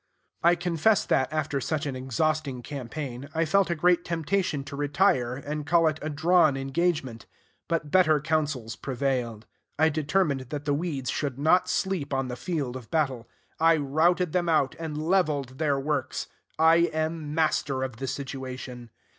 I confess that, after such an exhausting campaign, I felt a great temptation to retire, and call it a drawn engagement. But better counsels prevailed. I determined that the weeds should not sleep on the field of battle. I routed them out, and leveled their works. I am master of the situation.